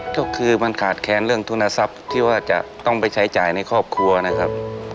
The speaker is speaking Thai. ก็คือมันขาดแค้นเรื่องทุนทรัพย์ที่ว่าจะต้องไปใช้จ่ายในครอบครัวนะครับ